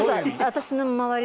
私の周り